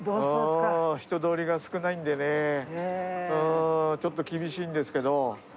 人通りが少ないんでね、ちょっとそうですか。